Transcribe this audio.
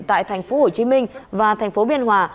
tại thành phố hồ chí minh và thành phố biên hòa